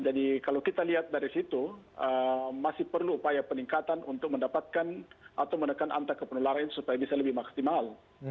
jadi kalau kita lihat dari situ masih perlu upaya peningkatan untuk mendapatkan atau menekan antar kepulangannya supaya bisa lebih maksimal